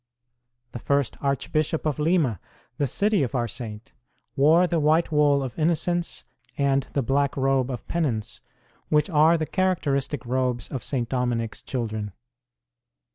The first Archbishop of Lima, the city of our saint, wore the white wool of innocence and the black robe of penance, which are the characteristic robes of St. Dominic s children.